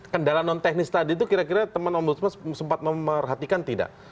kendala non teknis tadi itu kira kira teman ombudsman sempat memerhatikan tidak